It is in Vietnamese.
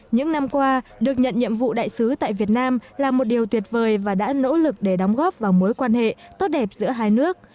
những năm qua được nhận nhiệm vụ đại sứ tại việt nam là một điều tuyệt vời và đã nỗ lực để đóng góp vào mối quan hệ tốt đẹp giữa hai nước